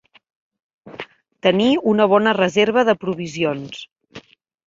Tenir una bona reserva de provisions.